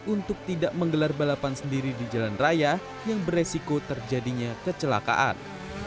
untuk tidak menggelar balapan sendiri di jalan raya yang beresiko terjadinya kecelakaan